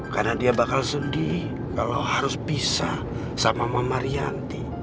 karena dia bakal sedih kalau harus pisah sama mama marianti